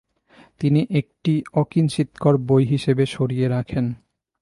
তিনি এটি অকিঞ্চিৎকর বই হিসেবে সরিয়ে রাখেন।